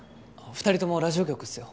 ２人ともラジオ局っすよ。